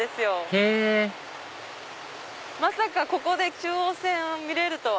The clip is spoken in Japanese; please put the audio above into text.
へぇまさかここで中央線を見れるとは。